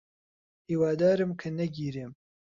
هیوادارم کە نەگیرێم.